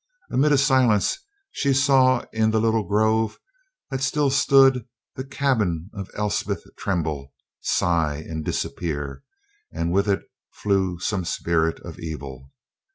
Amid a silence she saw in the little grove that still stood, the cabin of Elspeth tremble, sigh, and disappear, and with it flew some spirit of evil.